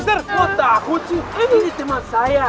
terbukti semuanya jadi kongsi